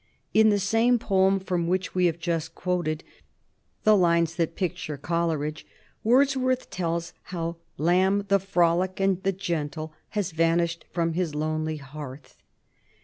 In the same poem from which we have just quoted the lines that picture Coleridge, Wordsworth tells how "Lamb, the frolic and the gentle, has vanished from his lonely hearth."